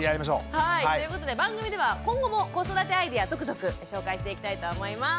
はいということで番組では今後も子育てアイデア続々ご紹介していきたいと思います。